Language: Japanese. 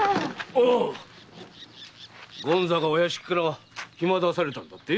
おう権三がお屋敷から暇を出されたんだって？